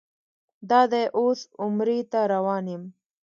دادی اوس عمرې ته روان یم.